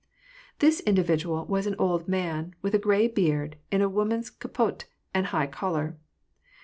This individual was an old man, with a gray beard, in a woman's capote and high collar.